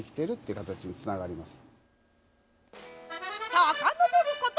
さかのぼること